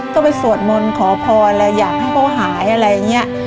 ก็ไปสวดมนต์ขอพรแล้วอยากให้เขาหายอะไรอย่างนี้